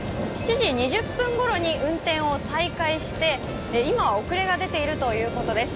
７時２０分ごろに運転を再開して今遅れが出ているということです。